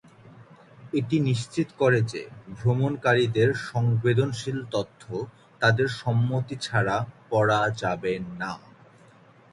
এটি নিশ্চিত করে যে ভ্রমণকারীদের সংবেদনশীল তথ্য তাদের সম্মতি ছাড়া পড়া যাবে না।